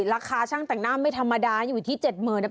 ราคาช่างแต่งหน้าไม่ธรรมดาอยู่ที่๗๐๐เนี่ย